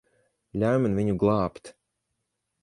Ļauj man viņu glābt.